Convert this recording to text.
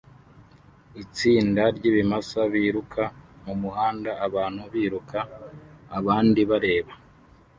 Itsinda ryibimasa biruka mumuhanda abantu biruka abandi bareba